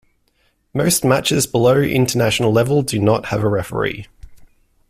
Most matches below international level do not have a referee.